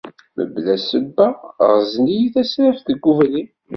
Mebla ssebba, ɣzen-iyi tasraft deg ubrid.